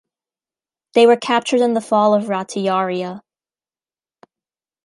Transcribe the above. They were captured in the fall of Ratiaria.